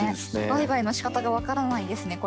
バイバイのしかたが分からないですね